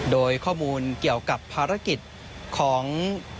โดยข้อมูลเกี่ยวกับภารกิจของเจ้าหน้าที่วันนี้